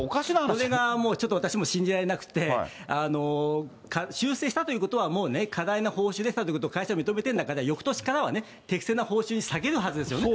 それがもうちょっと私も信じられなくて、修正したということは、もうね、過大な報酬でしたっていうことを会社は認めてるんですから、よくとしからは、適正な報酬に下げるはずですよね。